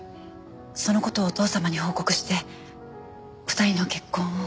その事をお父様に報告して２人の結婚を。